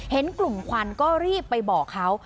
เห็นกลุ่มควันก็รีบไปบอกเขา